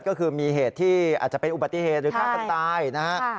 ก็คือมีเหตุที่อาจจะเป็นอุบัติเหตุหรือฆ่ากันตายนะฮะ